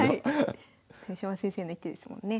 豊島先生の一手ですもんね。